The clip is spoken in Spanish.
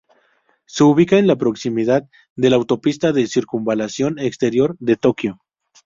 Se ubica en la proximidad de la autopista de circunvalación exterior de Tokio.